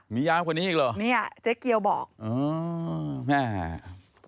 มียาวกว่านี้อีกหรอ